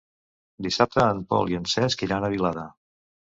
Dissabte en Pol i en Cesc iran a Vilada.